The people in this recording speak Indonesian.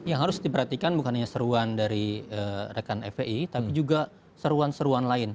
yang harus diperhatikan bukan hanya seruan dari rekan fpi tapi juga seruan seruan lain